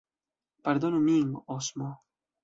Pardonu min, Osmo!